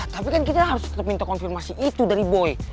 tapi kan kita harus tetap minta konfirmasi itu dari boy